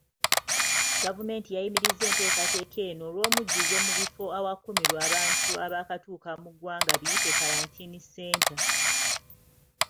Gavumenti yayimiriza enteekateeka eno olw'omujjuzo mubifo awakuumirwa abantu abaakatuuka mu ggwanga biyite kalantiini centre.